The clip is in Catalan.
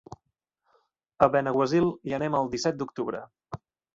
A Benaguasil hi anem el disset d'octubre.